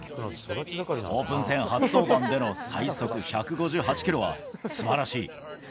オープン戦初登板での最速１５８キロはすばらしい。